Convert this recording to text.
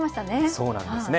そうなんですね